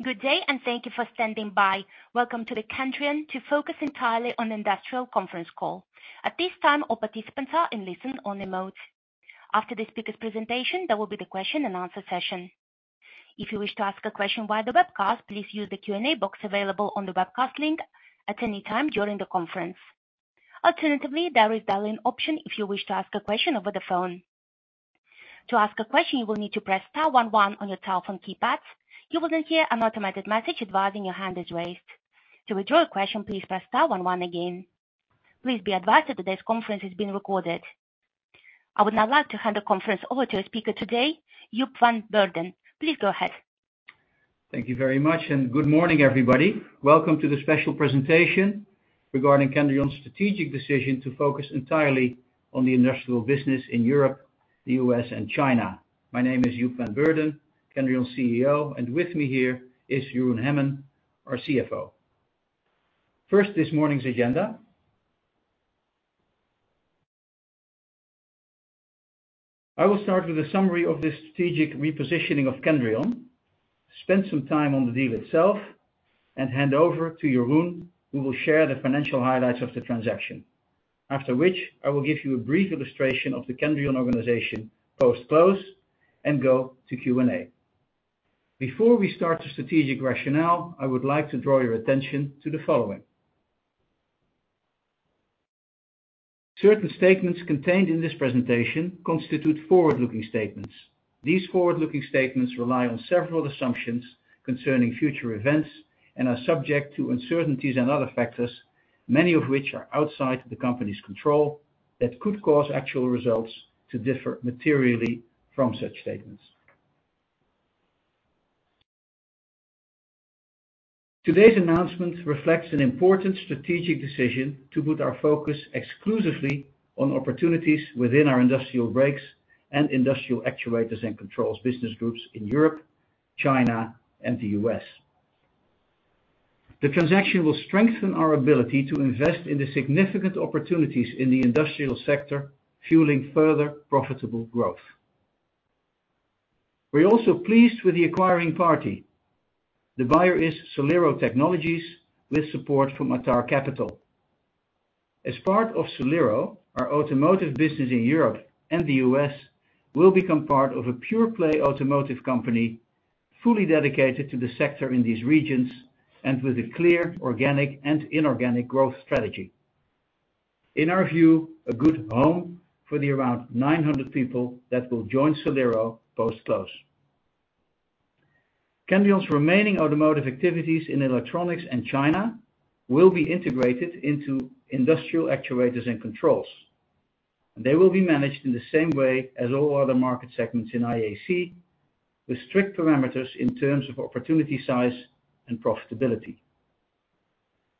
Good day, and thank you for standing by. Welcome to the Kendrion to Focus Entirely on Industrial Conference Call. At this time, all participants are in listen-only mode. After the speaker's presentation, there will be the question and answer session. If you wish to ask a question via the webcast, please use the Q&A box available on the webcast link at any time during the conference. Alternatively, there is a dial-in option if you wish to ask a question over the phone. To ask a question, you will need to press Star 11 on your telephone keypad. You will then hear an automated message advising your hand is raised. To withdraw a question, please press Star 11 again. Please be advised that today's conference is being recorded. I would now like to hand the conference over to our speaker today, Joep van Beurden. Please go ahead. Thank you very much, and good morning, everybody. Welcome to the special presentation regarding Kendrion's strategic decision to focus entirely on the industrial business in Europe, the US, and China. My name is Joep van Beurden, Kendrion's CEO, and with me here is Jeroen Hemmen, our CFO. First, this morning's agenda. I will start with a summary of the strategic repositioning of Kendrion, spend some time on the deal itself, and hand over to Jeroen, who will share the financial highlights of the transaction. After which, I will give you a brief illustration of the Kendrion organization post-close and go to Q&A. Before we start the strategic rationale, I would like to draw your attention to the following. Certain statements contained in this presentation constitute forward-looking statements. These forward-looking statements rely on several assumptions concerning future events and are subject to uncertainties and other factors, many of which are outside the company's control, that could cause actual results to differ materially from such statements. Today's announcement reflects an important strategic decision to put our focus exclusively on opportunities within our Industrial Brakes and Industrial Actuators and Controls business groups in Europe, China, and the US. The transaction will strengthen our ability to invest in the significant opportunities in the industrial sector, fueling further profitable growth. We're also pleased with the acquiring party. The buyer is Solero Technologies, with support from Atar Capital. As part of Solero Technologies, our automotive business in Europe and the US will become part of a pure-play automotive company, fully dedicated to the sector in these regions and with a clear organic and inorganic growth strategy. In our view, a good home for the around 900 people that will join Solero post-close. Kendrion's remaining automotive activities in electronics and China will be integrated into industrial actuators and controls, and they will be managed in the same way as all other market segments in IAC, with strict parameters in terms of opportunity size and profitability.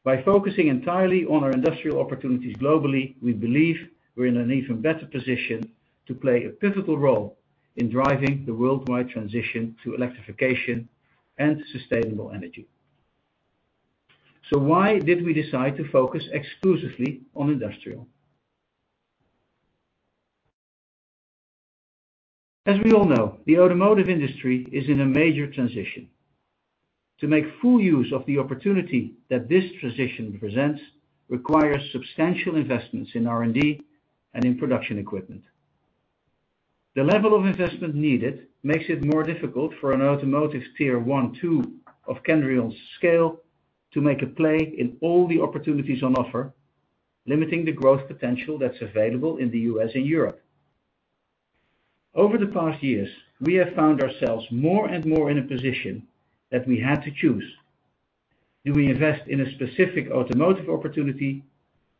By focusing entirely on our industrial opportunities globally, we believe we're in an even better position to play a pivotal role in driving the worldwide transition to electrification and sustainable energy. So why did we decide to focus exclusively on industrial? As we all know, the automotive industry is in a major transition. To make full use of the opportunity that this transition presents requires substantial investments in R&D and in production equipment. The level of investment needed makes it more difficult for an automotive Tier 1, 2, of Kendrion's scale to make a play in all the opportunities on offer, limiting the growth potential that's available in the U.S. and Europe. Over the past years, we have found ourselves more and more in a position that we had to choose. Do we invest in a specific automotive opportunity,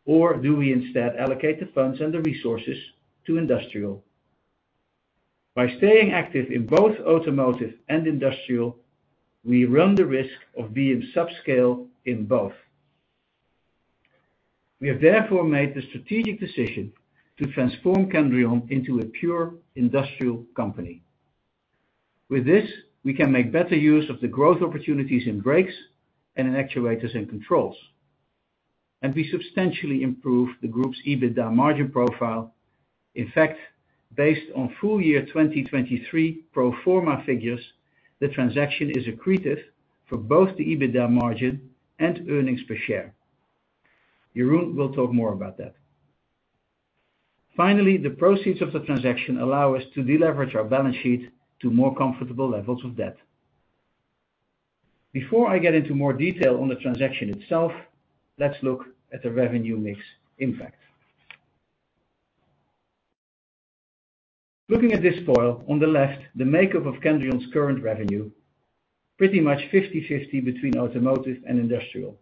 or do we instead allocate the funds and the resources to industrial? By staying active in both automotive and industrial, we run the risk of being subscale in both. We have therefore made the strategic decision to transform Kendrion into a pure industrial company. With this, we can make better use of the growth opportunities in brakes and in actuators and controls, and we substantially improve the group's EBITDA margin profile. In fact, based on full year 2023 pro forma figures, the transaction is accretive for both the EBITDA margin and earnings per share. Jeroen will talk more about that. Finally, the proceeds of the transaction allow us to deleverage our balance sheet to more comfortable levels of debt. Before I get into more detail on the transaction itself, let's look at the revenue mix impact. Looking at this slide on the left, the makeup of Kendrion's current revenue, pretty much 50/50 between automotive and industrial.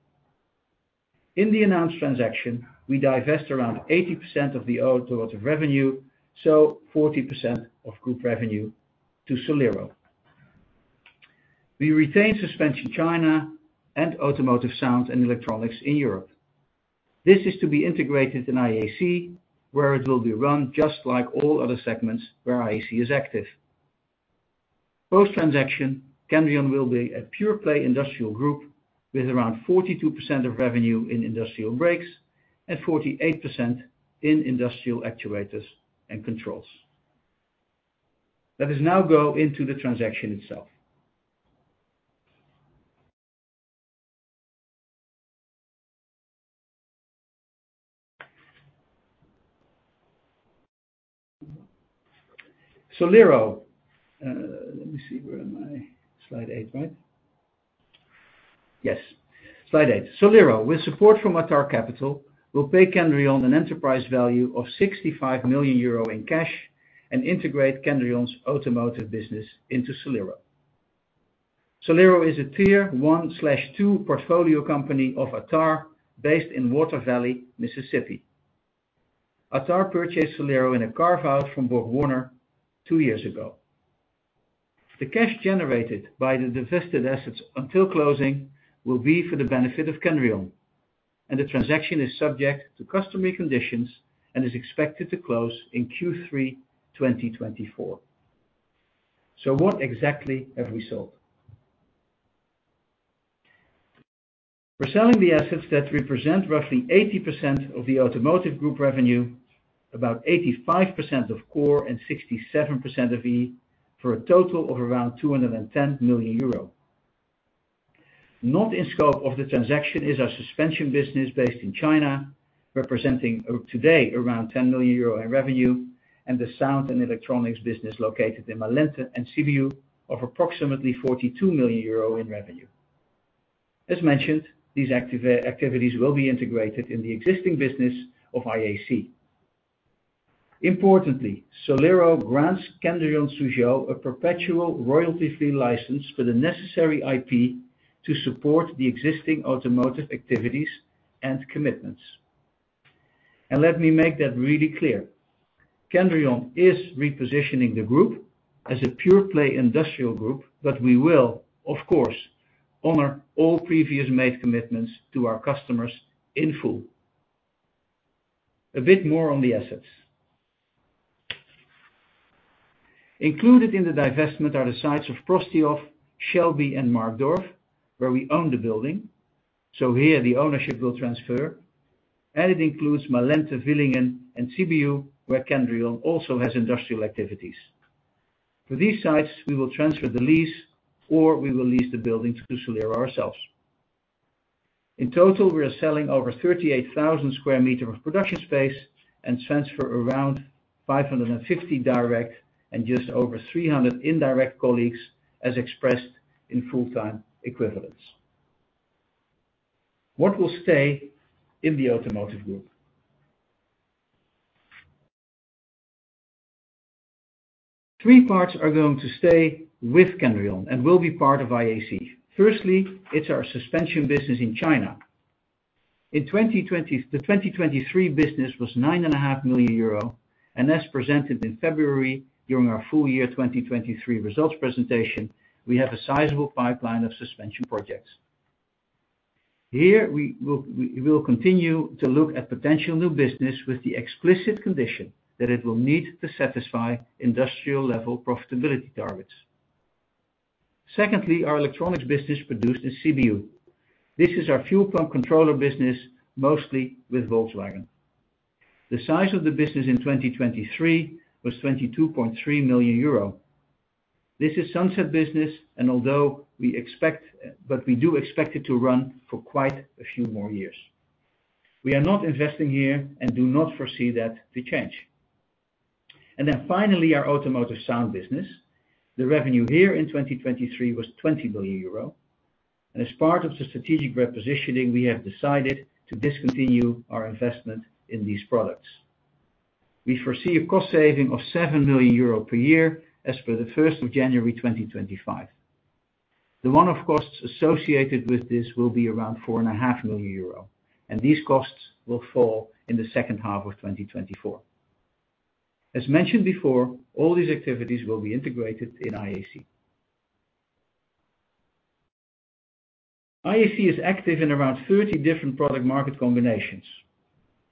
In the announced transaction, we divest around 80% of the total revenue, so 40% of group revenue, to Solero Technologies. We retain Suspension China and Automotive Sound and Electronics in Europe. This is to be integrated in IAC, where it will be run just like all other segments where IAC is active. Post-transaction, Kendrion will be a pure-play industrial group with around 42% of revenue in industrial brakes and 48% in industrial actuators and controls. Let us now go into the transaction itself. Solero. Let me see. Where am I? Slide eight, right? Yes. Slide eight. Solero, with support from Atar Capital, will pay Kendrion an enterprise value of 65 million euro in cash and integrate Kendrion's automotive business into Solero. Solero is a Tier 1/2 portfolio company of Atar based in Water Valley, Mississippi. Atar purchased Solero in a carve-out from BorgWarner two years ago. The cash generated by the divested assets until closing will be for the benefit of Kendrion, and the transaction is subject to customary conditions and is expected to close in Q3 2024. So what exactly have we sold? We're selling the assets that represent roughly 80% of the automotive group revenue, about 85% of core, and 67% of E, for a total of around 210 million euro. Not in scope of the transaction is our suspension business based in China, representing today around 10 million euro in revenue, and the sound and electronics business located in Malinta and Cebu of approximately 42 million euro in revenue. As mentioned, these activities will be integrated in the existing business of IAC. Importantly, Solero Technologies grants Kendrion a perpetual royalty-free license for the necessary IP to support the existing automotive activities and commitments. Let me make that really clear. Kendrion is repositioning the group as a pure-play industrial group, but we will, of course, honor all previous made commitments to our customers in full. A bit more on the assets. Included in the divestment are the sites of Prostějov, Shelby, and Markdorf, where we own the building. So here, the ownership will transfer, and it includes Malinta, Villingen, and Cebu, where Kendrion also has industrial activities. For these sites, we will transfer the lease, or we will lease the building to Solero ourselves. In total, we are selling over 38,000 square meters of production space and transfer around 550 direct and just over 300 indirect colleagues, as expressed in full-time equivalents. What will stay in the automotive group? Three parts are going to stay with Kendrion and will be part of IAC. Firstly, it's our suspension business in China. The 2023 business was 9.5 million euro, and as presented in February during our full year 2023 results presentation, we have a sizable pipeline of suspension projects. Here, we will continue to look at potential new business with the explicit condition that it will need to satisfy industrial-level profitability targets. Secondly, our electronics business produced in Cebu. This is our fuel pump controller business, mostly with Volkswagen. The size of the business in 2023 was 22.3 million euro. This is sunset business, and although we expect but we do expect it to run for quite a few more years. We are not investing here and do not foresee that to change. And then finally, our Automotive Sound business. The revenue here in 2023 was 20 million euro, and as part of the strategic repositioning, we have decided to discontinue our investment in these products. We foresee a cost saving of 7 million euro per year as per the 1st of January 2025. The one-off costs associated with this will be around 4.5 million euro, and these costs will fall in the H2 of 2024. As mentioned before, all these activities will be integrated in IAC. IAC is active in around 30 different product-market combinations.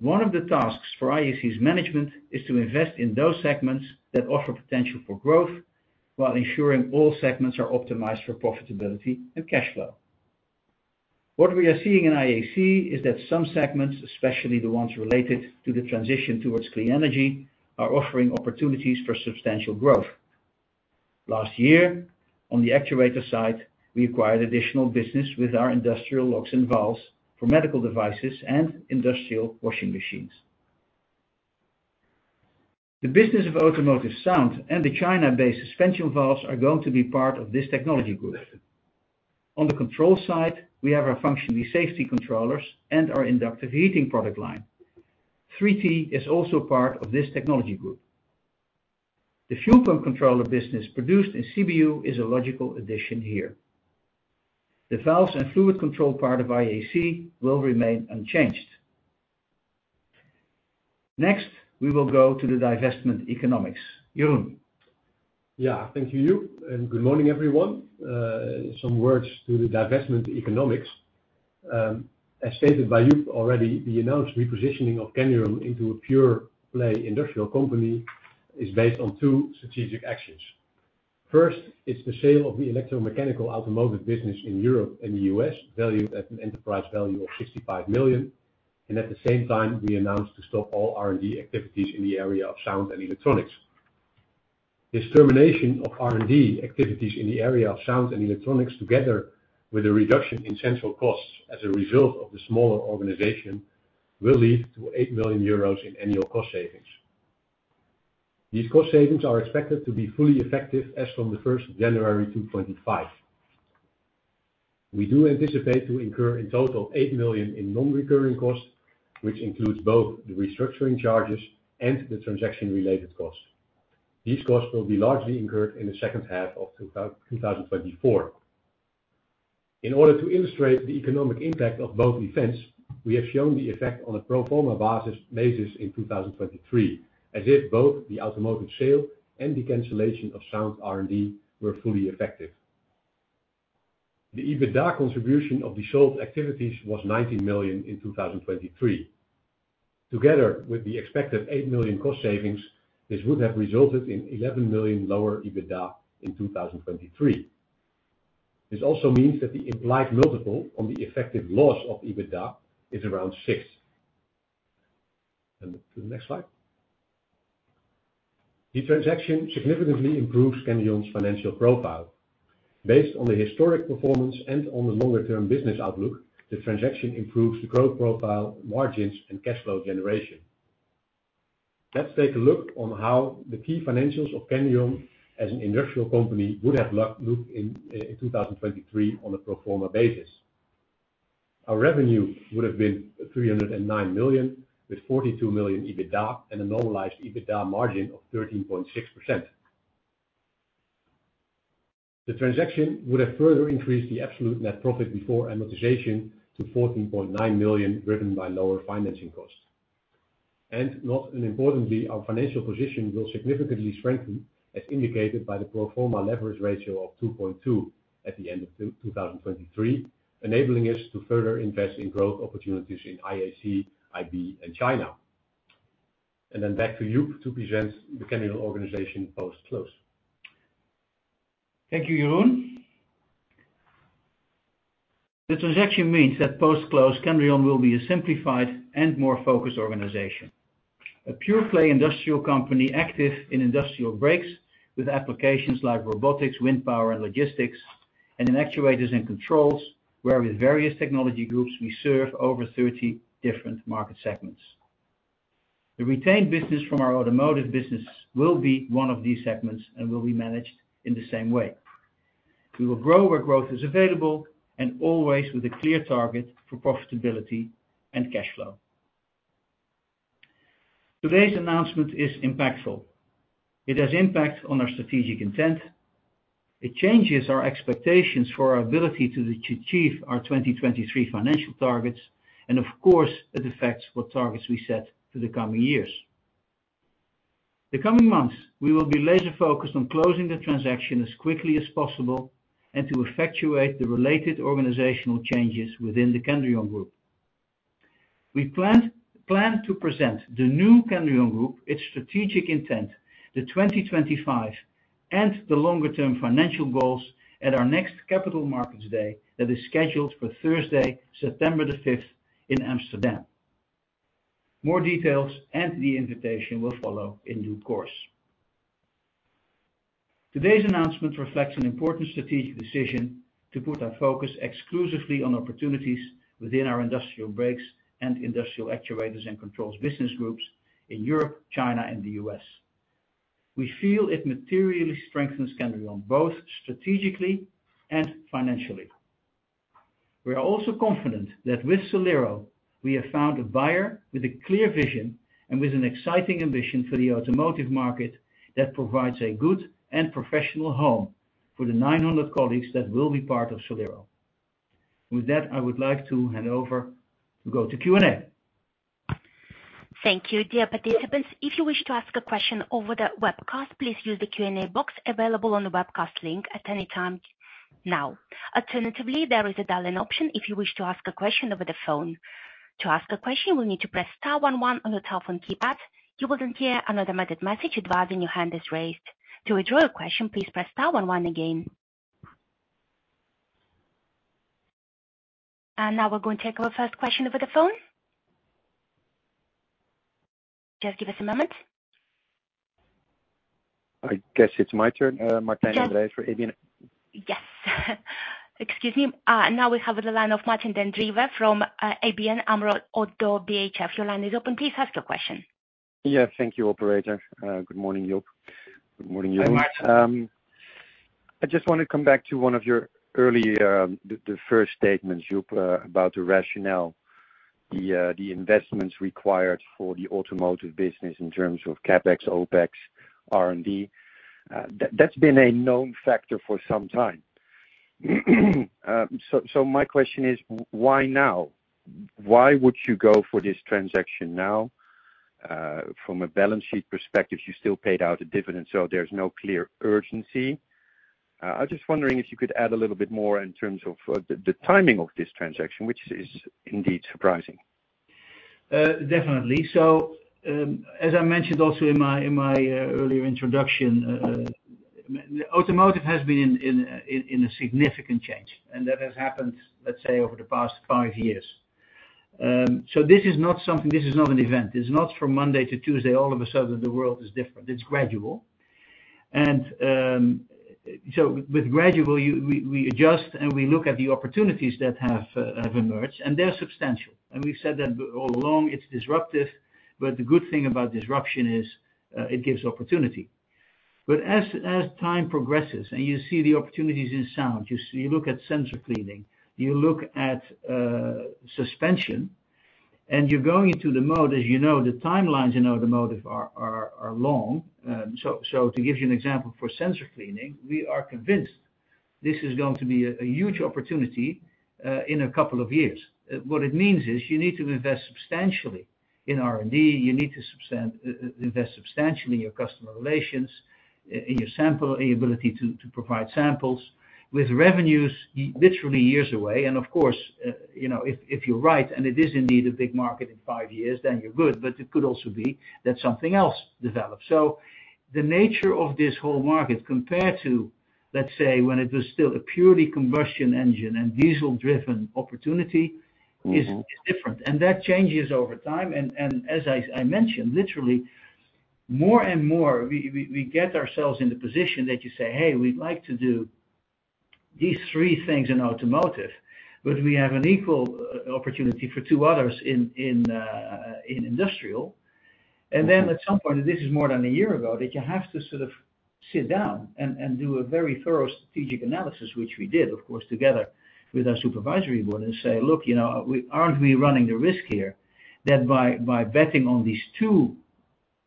One of the tasks for IAC's management is to invest in those segments that offer potential for growth while ensuring all segments are optimized for profitability and cash flow. What we are seeing in IAC is that some segments, especially the ones related to the transition towards clean energy, are offering opportunities for substantial growth. Last year, on the actuator side, we acquired additional business with our industrial locks and valves for medical devices and industrial washing machines. The business of automotive sound and the China-based suspension valves are going to be part of this technology group. On the control side, we have our functional safety controllers and our inductive heating product line. 3T is also part of this technology group. The fuel pump controller business produced in Cebu is a logical addition here. The valves and fluid control part of IAC will remain unchanged. Next, we will go to the divestment economics. Jeroen. Yeah. Thank you, Joep, and good morning, everyone. Some words to the divestment economics. As stated by Joep already, the announced repositioning of Kendrion into a pure-play industrial company is based on two strategic actions. First, it's the sale of the electromechanical automotive business in Europe and the U.S., valued at an enterprise value of 65 million, and at the same time, we announced to stop all R&D activities in the area of sound and electronics. This termination of R&D activities in the area of sound and electronics, together with a reduction in central costs as a result of the smaller organization, will lead to 8 million euros in annual cost savings. These cost savings are expected to be fully effective as from the 1st of January 2025. We do anticipate to incur in total 8 million in non-recurring costs, which includes both the restructuring charges and the transaction-related costs. These costs will be largely incurred in the H2 of 2024. In order to illustrate the economic impact of both events, we have shown the effect on a pro forma basis in 2023, as if both the automotive sale and the cancellation of sound R&D were fully effective. The EBITDA contribution of the sold activities was 19 million in 2023. Together with the expected 8 million cost savings, this would have resulted in 11 million lower EBITDA in 2023. This also means that the implied multiple on the effective loss of EBITDA is around six. To the next slide. The transaction significantly improves Kendrion's financial profile. Based on the historic performance and on the longer-term business outlook, the transaction improves the growth profile, margins, and cash flow generation. Let's take a look on how the key financials of Kendrion as an industrial company would have looked in 2023 on a pro forma basis. Our revenue would have been 309 million, with 42 million EBITDA and a normalized EBITDA margin of 13.6%. The transaction would have further increased the absolute net profit before amortization to 14.9 million, driven by lower financing costs. Not unimportantly, our financial position will significantly strengthen, as indicated by the pro forma leverage ratio of 2.2 at the end of 2023, enabling us to further invest in growth opportunities in IAC, IB, and China. Then back to Joep to present the Kendrion organization post-close. Thank you, Jeroen. The transaction means that post-close, Kendrion will be a simplified and more focused organization, a pure-play industrial company active in industrial brakes with applications like robotics, wind power, and logistics, and in actuators and controls, where with various technology groups, we serve over 30 different market segments. The retained business from our automotive business will be one of these segments and will be managed in the same way. We will grow where growth is available and always with a clear target for profitability and cash flow. Today's announcement is impactful. It has impact on our strategic intent. It changes our expectations for our ability to achieve our 2023 financial targets, and of course, it affects what targets we set for the coming years. The coming months, we will be laser-focused on closing the transaction as quickly as possible and to effectuate the related organizational changes within the Kendrion group. We plan to present the new Kendrion group, its strategic intent, the 2025, and the longer-term financial goals at our next Capital Markets Day that is scheduled for Thursday, September the 5th, in Amsterdam. More details and the invitation will follow in due course. Today's announcement reflects an important strategic decision to put our focus exclusively on opportunities within our Industrial Brakes and Industrial Actuators and Controls business groups in Europe, China, and the U.S. We feel it materially strengthens Kendrion both strategically and financially. We are also confident that with Solero Technologies, we have found a buyer with a clear vision and with an exciting ambition for the automotive market that provides a good and professional home for the 900 colleagues that will be part of Solero Technologies. With that, I would like to hand over to go to Q&A. Thank you, dear participants. If you wish to ask a question over the webcast, please use the Q&A box available on the webcast link at any time now. Alternatively, there is a dial-in option if you wish to ask a question over the phone. To ask a question, you will need to press Star 11 on your telephone keypad. You will then hear an automated message advising your hand is raised. To withdraw your question, please press Star 11 again. And now we're going to take our first question over the phone. Just give us a moment. I guess it's my turn, Martin. Andreas for ABN. Yes. Excuse me. Now we have on the line of Martijn den Drijver from ABN AMRO - ODDO BHF. Your line is open. Please ask your question. Yeah. Thank you, operator. Good morning, Joep. Good morning, Jeroen. Hi, Martin. I just want to come back to one of your earlier, the first statements, Joep, about the rationale, the investments required for the automotive business in terms of CapEx, OpEx, R&D. That's been a known factor for some time. So my question is, why now? Why would you go for this transaction now? From a balance sheet perspective, you still paid out a dividend, so there's no clear urgency. I was just wondering if you could add a little bit more in terms of the timing of this transaction, which is indeed surprising. Definitely. So as I mentioned also in my earlier introduction, automotive has been in a significant change, and that has happened, let's say, over the past five years. So this is not something. This is not an event. It's not from Monday to Tuesday, all of a sudden, the world is different. It's gradual. And so with gradual, we adjust and we look at the opportunities that have emerged, and they're substantial. And we've said that all along, it's disruptive, but the good thing about disruption is it gives opportunity. But as time progresses and you see the opportunities in sound, you look at sensor cleaning, you look at suspension, and you're going into the mode, as you know, the timelines in automotive are long. So to give you an example for sensor cleaning, we are convinced this is going to be a huge opportunity in a couple of years. What it means is you need to invest substantially in R&D. You need to invest substantially in your customer relations, in your sample, in your ability to provide samples with revenues literally years away. Of course, if you're right and it is indeed a big market in five years, then you're good, but it could also be that something else develops. The nature of this whole market compared to, let's say, when it was still a purely combustion engine and diesel-driven opportunity is different, and that changes over time. And as I mentioned, literally, more and more, we get ourselves in the position that you say, "Hey, we'd like to do these three things in automotive, but we have an equal opportunity for two others in industrial." And then at some point, and this is more than a year ago, that you have to sort of sit down and do a very thorough strategic analysis, which we did, of course, together with our supervisory board and say, "Look, aren't we running the risk here that by betting on these two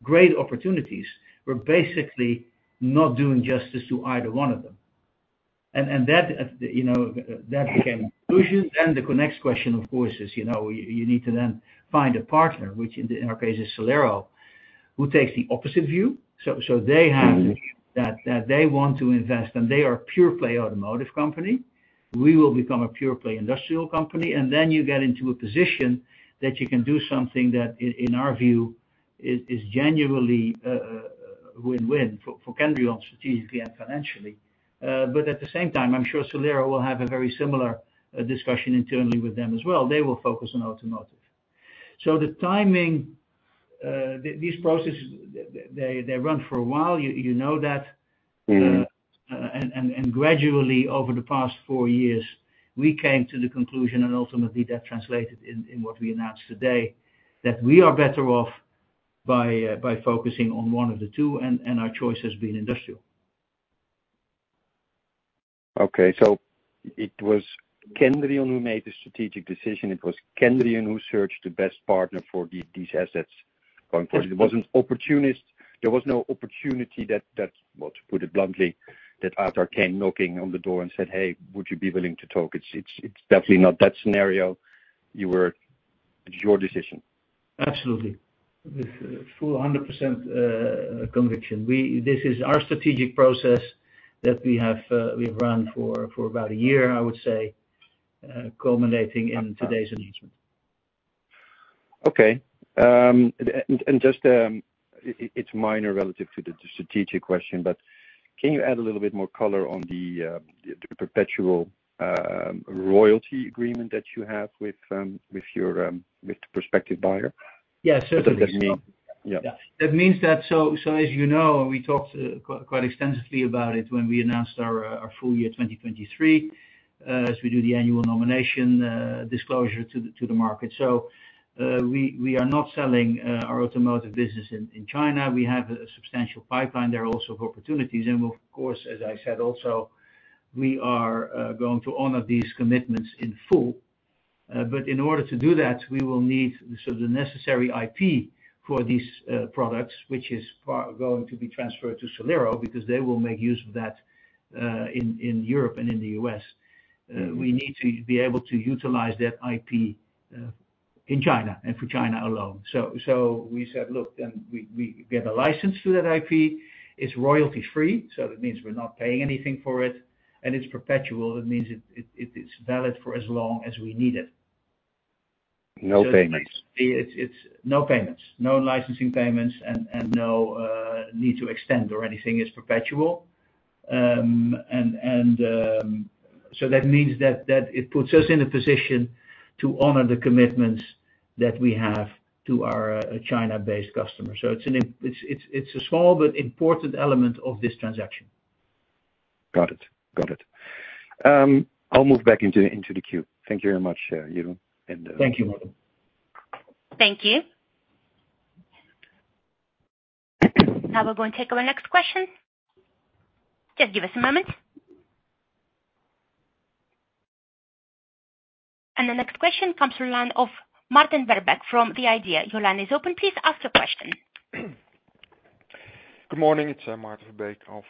great opportunities, we're basically not doing justice to either one of them?" And that became the conclusion. Then the next question, of course, is you need to then find a partner, which in our case is Solero, who takes the opposite view. So they have a view that they want to invest, and they are a pure-play automotive company. We will become a pure-play industrial company, and then you get into a position that you can do something that, in our view, is genuinely win-win for Kendrion strategically and financially. But at the same time, I'm sure Solero will have a very similar discussion internally with them as well. They will focus on automotive. So the timing these processes, they run for a while. You know that. And gradually, over the past four years, we came to the conclusion, and ultimately, that translated in what we announced today, that we are better off by focusing on one of the two, and our choice has been industrial. Okay. It was Kendrion who made the strategic decision. It was Kendrion who searched the best partner for these assets going forward. It wasn't opportunistic. There was no opportunity that, well, to put it bluntly, that Atar came knocking on the door and said, "Hey, would you be willing to talk?" It's definitely not that scenario. It's your decision. Absolutely. With full 100% conviction. This is our strategic process that we have run for about a year, I would say, culminating in today's announcement. Okay. And just it's minor relative to the strategic question, but can you add a little bit more color on the perpetual royalty agreement that you have with the prospective buyer? Yeah, certainly. What does that mean? Yeah. That means that, so as you know, we talked quite extensively about it when we announced our full year 2023 as we do the annual nomination disclosure to the market. So we are not selling our automotive business in China. We have a substantial pipeline there also of opportunities. And of course, as I said also, we are going to honor these commitments in full. But in order to do that, we will need sort of the necessary IP for these products, which is going to be transferred to Solero because they will make use of that in Europe and in the U.S. We need to be able to utilize that IP in China and for China alone. So we said, "Look, then we get a license to that IP. It's royalty-free, so that means we're not paying anything for it. And it's perpetual. That means it's valid for as long as we need it. No payments. No payments. No licensing payments and no need to extend or anything. It's perpetual. And so that means that it puts us in a position to honor the commitments that we have to our China-based customers. So it's a small but important element of this transaction. Got it. Got it. I'll move back into the queue. Thank you very much, Jeroen, and. Thank you, Martin. Thank you. Now we're going to take our next question. Just give us a moment. The next question comes from the line of Maarten Verbeek from The Idea. Your line is open. Please ask your question. Good morning. It's Maarten Verbeek of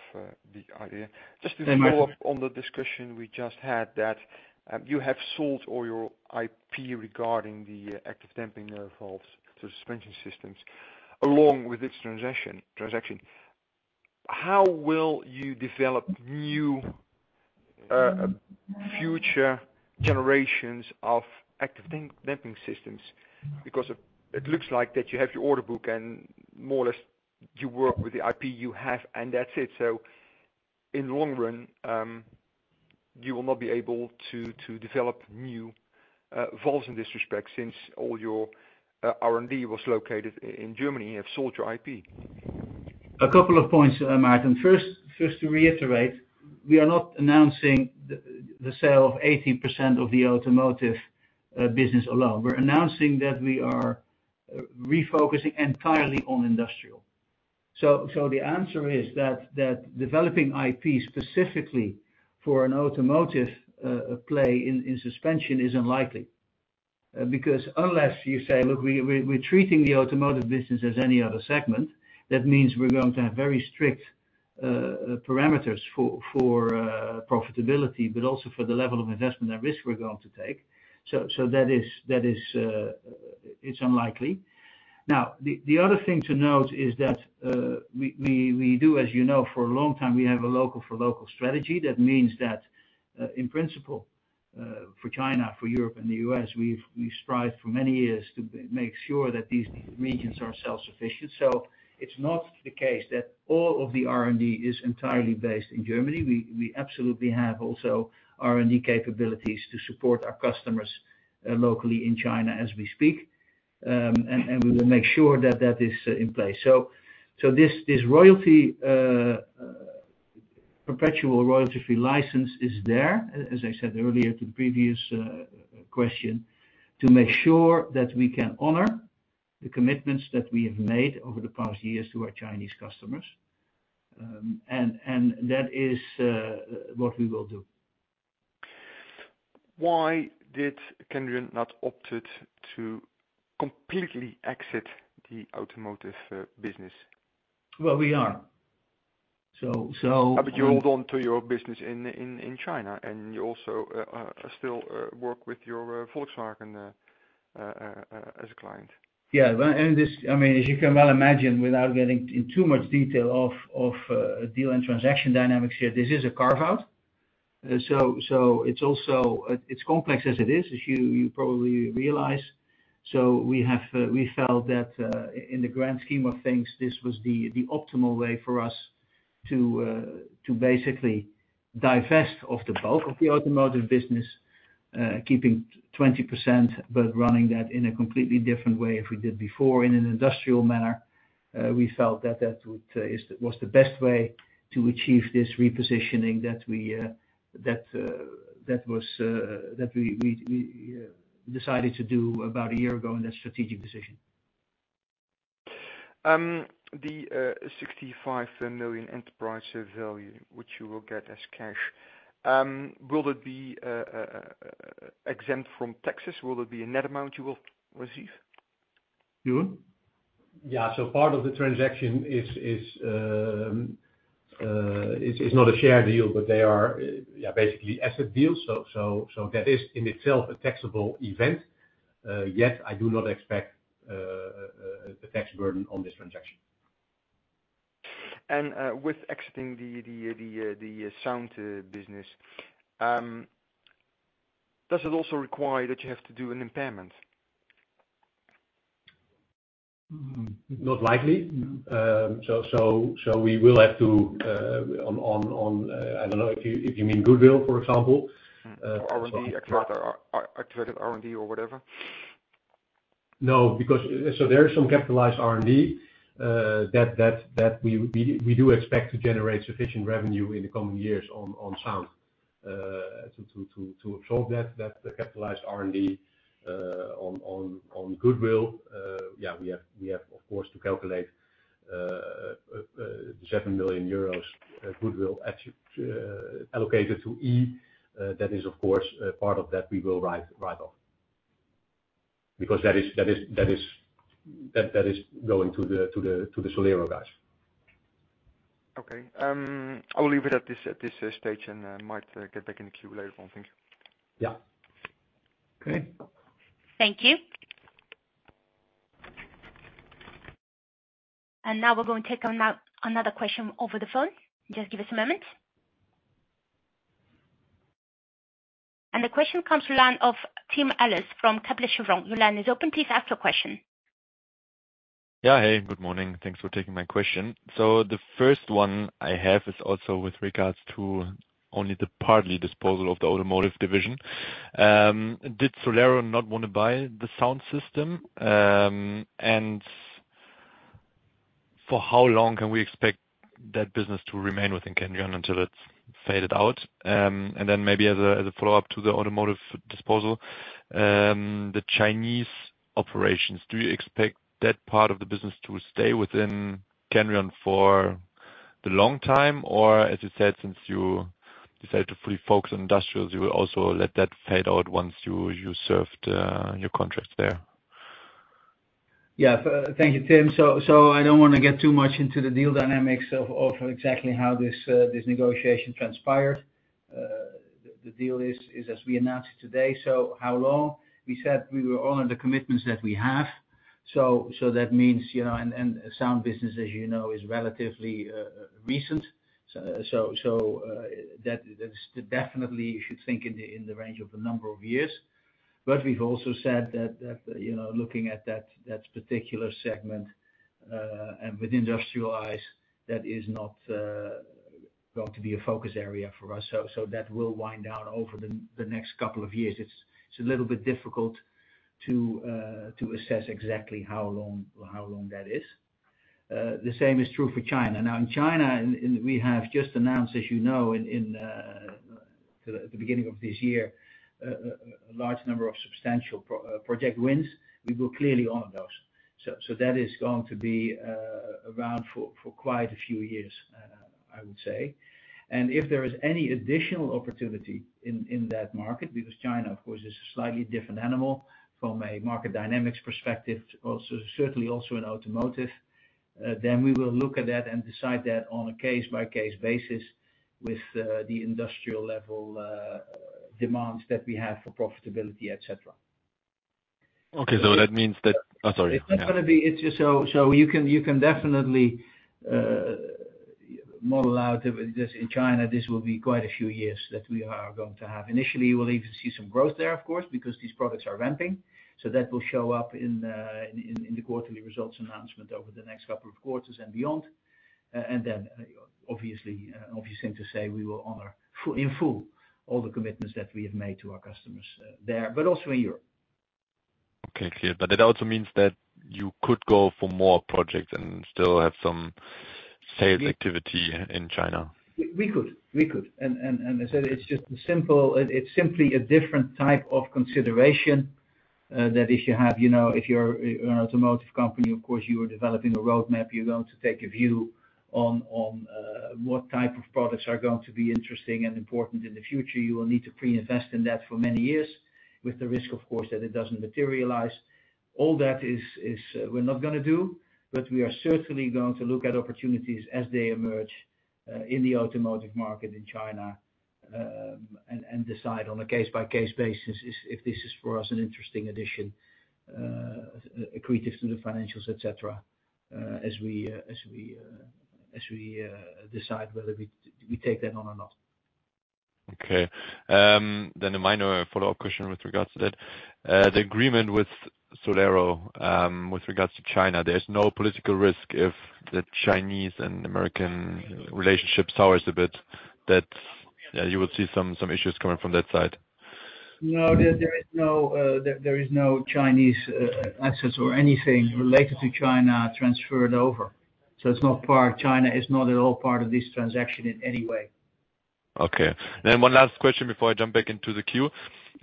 The Idea. Just to follow up on the discussion we just had, that you have sold all your IP regarding the active damping servo valves to suspension systems along with this transaction. How will you develop new future generations of active damping systems? Because it looks like that you have your order book, and more or less, you work with the IP you have, and that's it. So in the long run, you will not be able to develop new valves in this respect since all your R&D was located in Germany. You have sold your IP. A couple of points, Martin. First, to reiterate, we are not announcing the sale of 80% of the automotive business alone. We're announcing that we are refocusing entirely on industrial. So the answer is that developing IP specifically for an automotive play in suspension is unlikely because unless you say, "Look, we're treating the automotive business as any other segment," that means we're going to have very strict parameters for profitability, but also for the level of investment and risk we're going to take. So that is, it's unlikely. Now, the other thing to note is that we do, as you know, for a long time, we have a local-for-local strategy. That means that in principle, for China, for Europe, and the U.S., we've strived for many years to make sure that these regions are self-sufficient. It's not the case that all of the R&D is entirely based in Germany. We absolutely have also R&D capabilities to support our customers locally in China as we speak, and we will make sure that that is in place. This perpetual royalty-free license is there, as I said earlier to the previous question, to make sure that we can honor the commitments that we have made over the past years to our Chinese customers. That is what we will do. Why did Kendrion not opt to completely exit the automotive business? Well, we are. So. But you're holding on to your business in China, and you also still work with your Volkswagen as a client. Yeah. And I mean, as you can well imagine, without getting in too much detail of deal and transaction dynamics here, this is a carve-out. So it's complex as it is, as you probably realize. So we felt that in the grand scheme of things, this was the optimal way for us to basically divest of the bulk of the automotive business, keeping 20% but running that in a completely different way if we did before in an industrial manner. We felt that that was the best way to achieve this repositioning that we decided to do about a year ago in that strategic decision. The 65 million Enterprise Value, which you will get as cash, will it be exempt from taxes? Will it be a net amount you will receive? Yeah. So part of the transaction is not a share deal, but they are, yeah, basically asset deals. So that is in itself a taxable event. Yet, I do not expect a tax burden on this transaction. With exiting the sound business, does it also require that you have to do an impairment? Not likely. So we will have to own, I don't know if you mean goodwill, for example. Or activated R&D or whatever? No. So there is some capitalized R&D that we do expect to generate sufficient revenue in the coming years on sound. To absorb that capitalized R&D on goodwill, yeah, we have, of course, to calculate the 7 million euros goodwill allocated to E. That is, of course, part of that we will write off because that is going to the Solero guys. Okay. I will leave it at this stage and might get back in the queue later on. Thank you. Yeah. Okay. Thank you. And now we're going to take another question over the phone. Just give us a moment. And the question comes from the line of Tim Ehlers from Kepler Cheuvreux. Your line is open. Please ask your question. Yeah. Hey. Good morning. Thanks for taking my question. So the first one I have is also with regards to only the partial disposal of the automotive division. Did Solero not want to buy the sound system? And for how long can we expect that business to remain within Kendrion until it's faded out? And then maybe as a follow-up to the automotive disposal, the Chinese operations, do you expect that part of the business to stay within Kendrion for a long time? Or as you said, since you decided to fully focus on industrials, you will also let that fade out once you served your contracts there? Yeah. Thank you, Tim. So I don't want to get too much into the deal dynamics of exactly how this negotiation transpired. The deal is as we announced it today. So how long? We said we were honoring the commitments that we have. So that means Automotive Sound business, as you know, is relatively recent. So definitely, you should think in the range of a number of years. But we've also said that looking at that particular segment and with industrial eyes, that is not going to be a focus area for us. So that will wind down over the next couple of years. It's a little bit difficult to assess exactly how long that is. The same is true for China. Now, in China, we have just announced, as you know, at the beginning of this year, a large number of substantial project wins. We will clearly honor those. So that is going to be around for quite a few years, I would say. If there is any additional opportunity in that market because China, of course, is a slightly different animal from a market dynamics perspective, certainly also in automotive, then we will look at that and decide that on a case-by-case basis with the industrial level demands that we have for profitability, etc. Okay. So that means that oh, sorry. It's not going to be so you can definitely model out that in China this will be quite a few years that we are going to have. Initially, you will even see some growth there, of course, because these products are ramping. So that will show up in the quarterly results announcement over the next couple of quarters and beyond. And then, obviously, obvious thing to say, we will honor in full all the commitments that we have made to our customers there, but also in Europe. Okay. Clear. But that also means that you could go for more projects and still have some sales activity in China. We could. We could. And as I said, it's just simply a different type of consideration that if you have if you're an automotive company, of course, you are developing a roadmap. You're going to take a view on what type of products are going to be interesting and important in the future. You will need to pre-invest in that for many years with the risk, of course, that it doesn't materialize. All that is we're not going to do, but we are certainly going to look at opportunities as they emerge in the automotive market in China and decide on a case-by-case basis if this is for us an interesting addition, accretive to the financials, etc., as we decide whether we take that on or not. Okay. Then a minor follow-up question with regards to that. The agreement with Solero with regards to China, there's no political risk if the Chinese and American relationship sours a bit that you would see some issues coming from that side? No. There is no Chinese assets or anything related to China transferred over. So it's not part. China is not at all part of this transaction in any way. Okay. Then one last question before I jump back into the queue.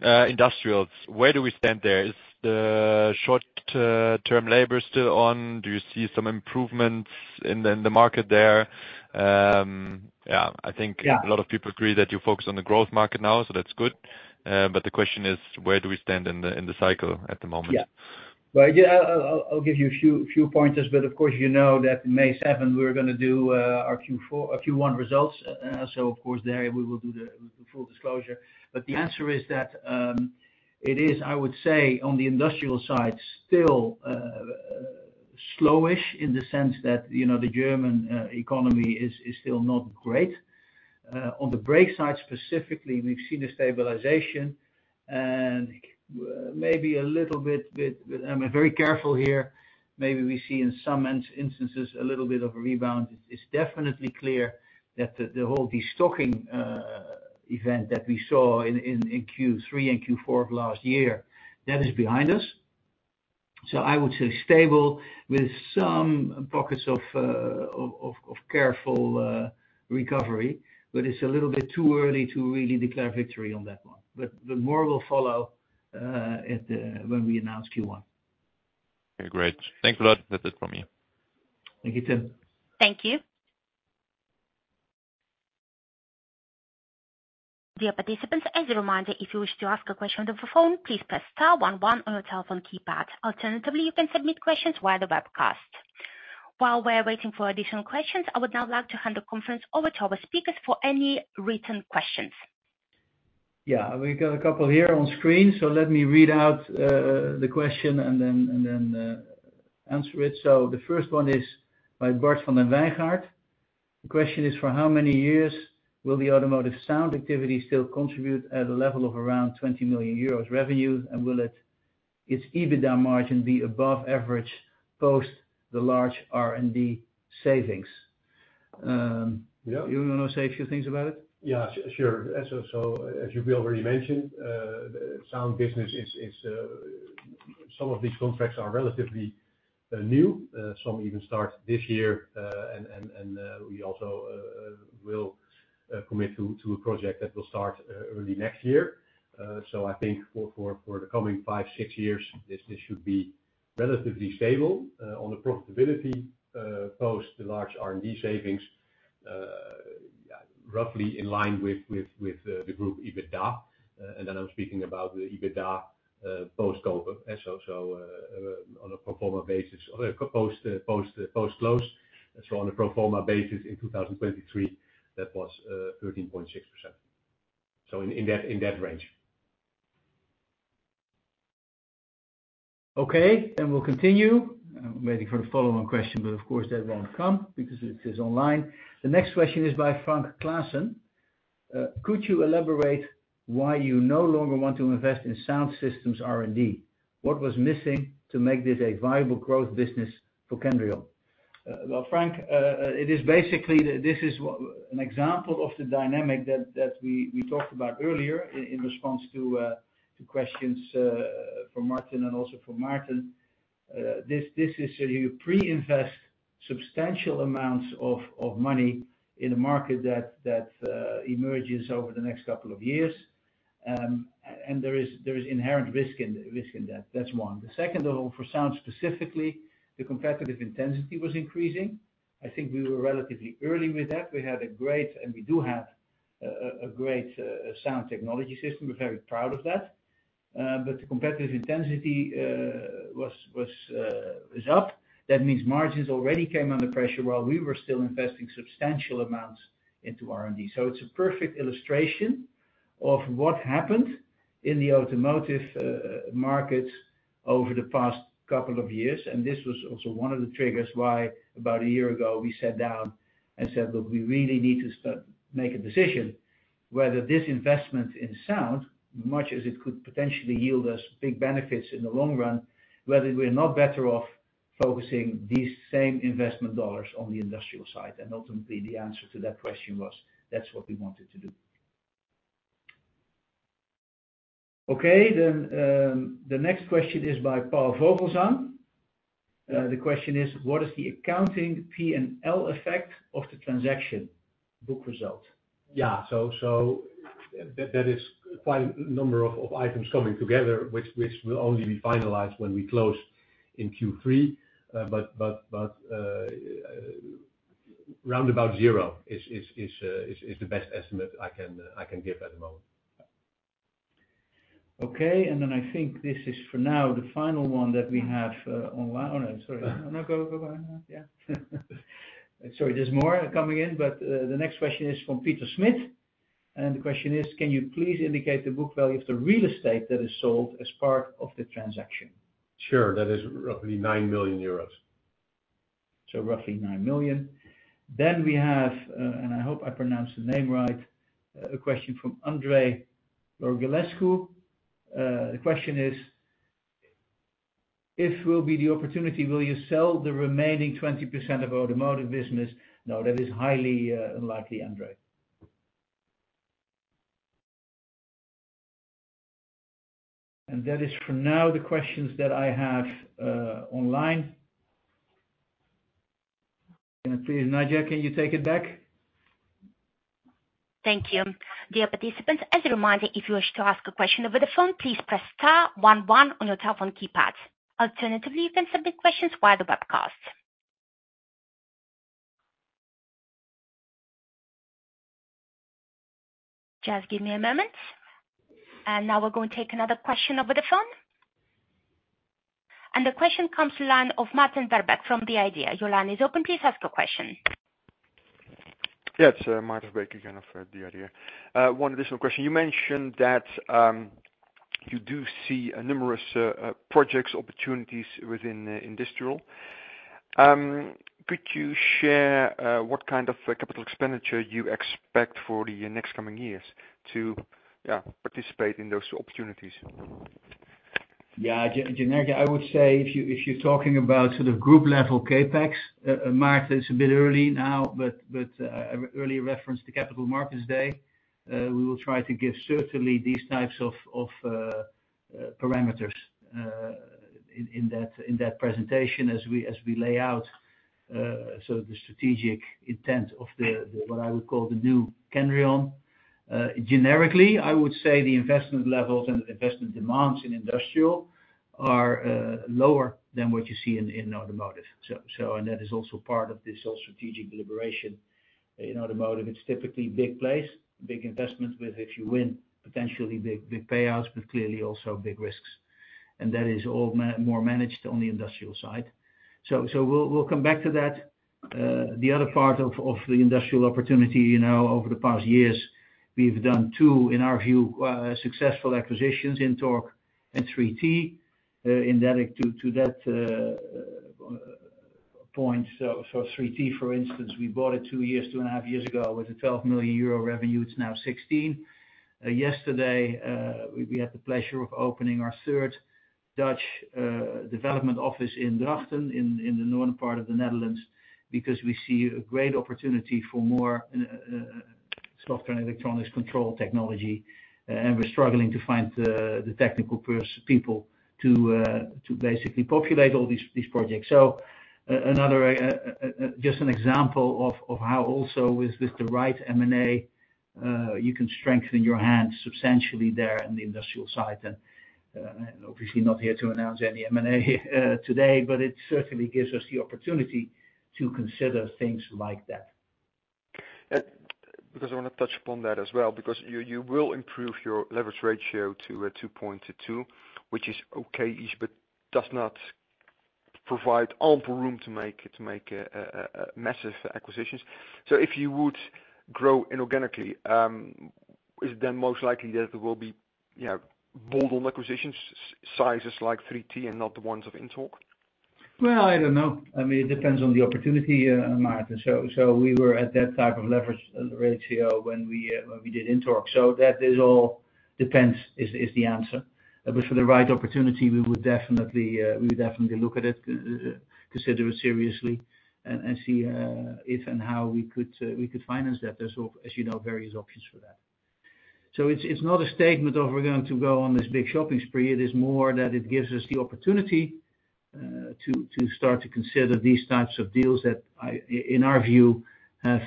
Industrials, where do we stand there? Is the short-term labor still on? Do you see some improvements in the market there? Yeah. I think a lot of people agree that you focus on the growth market now, so that's good. But the question is, where do we stand in the cycle at the moment? Yeah. Well, I'll give you a few pointers. But of course, you know that in May 7, we're going to do our Q1 results. So of course, there, we will do the full disclosure. But the answer is that it is, I would say, on the industrial side, still slowish in the sense that the German economy is still not great. On the brake side specifically, we've seen a stabilization and maybe a little bit I'm very careful here. Maybe we see in some instances a little bit of a rebound. It's definitely clear that the whole destocking event that we saw in Q3 and Q4 of last year, that is behind us. So I would say stable with some pockets of careful recovery, but it's a little bit too early to really declare victory on that one. But more will follow when we announce Q1. Okay. Great. Thanks a lot. That's it from me. Thank you, Tim. Thank you. Dear participants, as a reminder, if you wish to ask a question over the phone, please press star 11 on your telephone keypad. Alternatively, you can submit questions via the webcast. While we're waiting for additional questions, I would now like to hand the conference over to our speakers for any written questions. Yeah. We've got a couple here on screen. So let me read out the question and then answer it. So the first one is by Bart van den Wijngaard. The question is, for how many years will the automotive sound activity still contribute at a level of around 20 million euros revenue, and will its EBITDA margin be above average post the large R&D savings? Do you want to say a few things about it? Yeah. Sure. So as you've already mentioned, sound business is some of these contracts are relatively new. Some even start this year. And we also will commit to a project that will start early next year. So I think for the coming 5-6 years, this should be relatively stable on the profitability post the large R&D savings, roughly in line with the group EBITDA. And then I'm speaking about the EBITDA post-carve-out, so on a pro forma basis, post-close. So on a pro forma basis in 2023, that was 13.6%. So in that range. Okay. Then we'll continue. I'm waiting for the follow-on question, but of course, that won't come because it is online. The next question is by Frank Claassen. Could you elaborate why you no longer want to invest in sound systems R&D? What was missing to make this a viable growth business for Kendrion? Well, Frank, it is basically this is an example of the dynamic that we talked about earlier in response to questions from Martin and also from Martin. This is you pre-invest substantial amounts of money in a market that emerges over the next couple of years, and there is inherent risk in that. That's one. The second of all, for sound specifically, the competitive intensity was increasing. I think we were relatively early with that. We had a great and we do have a great sound technology system. We're very proud of that. But the competitive intensity was up. That means margins already came under pressure while we were still investing substantial amounts into R&D. So it's a perfect illustration of what happened in the automotive markets over the past couple of years. And this was also one of the triggers why about a year ago, we sat down and said, "Look, we really need to make a decision whether this investment in sound, much as it could potentially yield us big benefits in the long run, whether we're not better off focusing these same investment dollars on the industrial side." And ultimately, the answer to that question was, "That's what we wanted to do." Okay. Then the next question is by Paul Vogelsang. The question is, what is the accounting P&L effect of the transaction book result? Yeah. So that is quite a number of items coming together, which will only be finalized when we close in Q3. But roundabout zero is the best estimate I can give at the moment. Okay. And then I think this is for now the final one that we have online. Oh, no. Sorry. No, go, go, go. Yeah. Sorry. There's more coming in. But the next question is from Peter Smith. And the question is, can you please indicate the book value of the real estate that is sold as part of the transaction? Sure. That is roughly 9 million euros. So roughly 9 million. Then we have, and I hope I pronounced the name right, a question from Andrei Rogulescu. The question is, if will be the opportunity, will you sell the remaining 20% of automotive business? No, that is highly unlikely, Andrei. And that is for now the questions that I have online. And please, Naja, can you take it back? Thank you. Dear participants, as a reminder, if you wish to ask a question over the phone, please press star 11 on your telephone keypad. Alternatively, you can submit questions via the webcast. Just give me a moment. Now we're going to take another question over the phone. The question comes to the line of Maarten Verbeek from The Idea. Your line is open. Please ask a question. Yeah. It's Maarten Verbeek again of The Idea. One additional question. You mentioned that you do see numerous projects opportunities within industrial. Could you share what kind of capital expenditure you expect for the next coming years to participate in those opportunities? Yeah. Generically, I would say if you're talking about sort of group-level CapEx, Martin, it's a bit early now, but earlier referenced the Capital Markets Day, we will try to give certainly these types of parameters in that presentation as we lay out sort of the strategic intent of what I would call the new Kendrion. Generically, I would say the investment levels and the investment demands in industrial are lower than what you see in automotive. And that is also part of this strategic deliberation. In automotive, it's typically big place, big investment with if you win, potentially big payouts, but clearly also big risks. And that is all more managed on the industrial side. So we'll come back to that. The other part of the industrial opportunity over the past years, we've done two, in our view, successful acquisitions in INTORQ and 3T up to that point. So 3T, for instance, we bought it two years, two and a half years ago with a 12 million euro revenue. It's now 16 million. Yesterday, we had the pleasure of opening our third Dutch development office in Drachten, in the northern part of the Netherlands, because we see a great opportunity for more software and electronics control technology. And we're struggling to find the technical people to basically populate all these projects. So just an example of how also with the right M&A, you can strengthen your hand substantially there in the industrial side. And obviously, not here to announce any M&A today, but it certainly gives us the opportunity to consider things like that. Because I want to touch upon that as well, because you will improve your leverage ratio to 2.2, which is okay, but does not provide ample room to make massive acquisitions. So if you would grow inorganically, is it then most likely that there will be bolt-on acquisitions, sizes like 3T and not the ones of INTORQ? Well, I don't know. I mean, it depends on the opportunity, Martin. So we were at that type of leverage ratio when we did INTORQ. So that all depends is the answer. But for the right opportunity, we would definitely look at it, consider it seriously, and see if and how we could finance that. There's also, as you know, various options for that. So it's not a statement of we're going to go on this big shopping spree. It is more that it gives us the opportunity to start to consider these types of deals that, in our view, have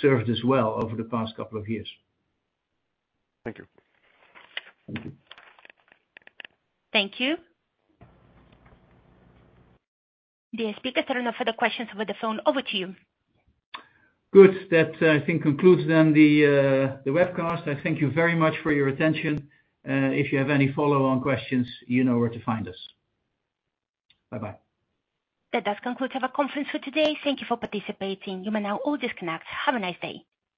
served as well over the past couple of years. Thank you. Thank you. Dear speakers, I don't know if the questions over the phone over to you. Good. That, I think, concludes then the webcast. I thank you very much for your attention. If you have any follow-on questions, you know where to find us. Bye-bye. That does conclude our conference for today. Thank you for participating. You may now all disconnect. Have a nice day.